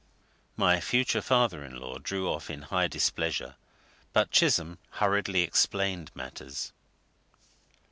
My future father in law drew off in high displeasure, but Chisholm hurriedly explained matters.